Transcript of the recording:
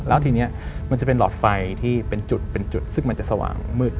แล้วทีนี้มันจะเป็นหลอดไฟที่เป็นจุดเป็นจุดซึ่งมันจะสว่างมืด